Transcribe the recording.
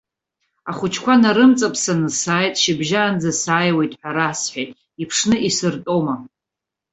Ахәыҷқәа нарымҵаԥсаны сааит, шьыбжьаанӡа сааиуеит ҳәа расҳәеит, иԥшны исыртәома!